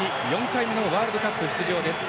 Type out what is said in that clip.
４回目のワールドカップ出場です。